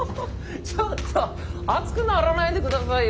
ちょっと熱くならないで下さいよ。